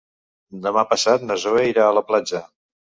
Demà passat na Zoè irà a la platja.